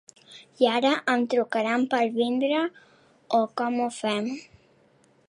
I ara em trucaran per vindre, o com ho fem?